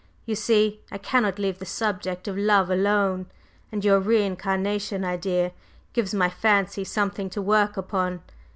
You see I cannot leave the subject of love alone; and your re incarnation idea gives my fancy something to work upon.